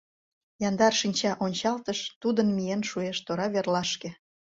Яндар шинча ончалтыш тудын Миен шуэш тора верлашке.